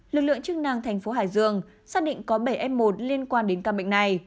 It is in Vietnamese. lực lượng chức năng tp hải dương xác định có bảy f một liên lạc với tp hải dương